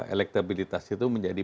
elektabilitas itu menjadi